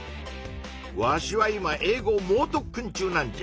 わしは今英語もう特訓中なんじゃ。